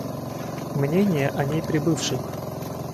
Мнения о ней прибывших.